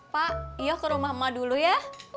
pak iyo ke rumah emak dulu ya